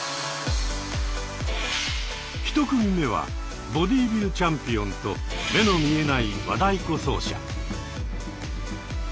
１組目はボディービルチャンピオンと目の見えない和太鼓奏者。